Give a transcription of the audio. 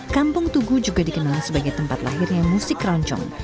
kampung tugu juga dikenal sebagai tempat lahirnya musik keroncong